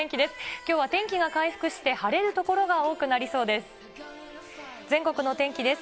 きょうは天気が回復して晴れる所が多くなりそうです。